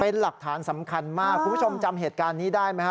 เป็นหลักฐานสำคัญมากคุณผู้ชมจำเหตุการณ์นี้ได้ไหมฮ